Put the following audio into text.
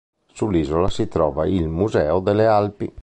Sull'isola si trova il Museo delle Alpi.